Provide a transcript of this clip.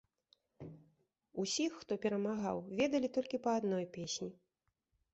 Усіх, хто перамагаў, ведалі толькі па адной песні.